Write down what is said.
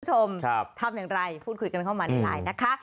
ทำอย่างไรพูดคุยกันเข้ามาในไลน์นะคะ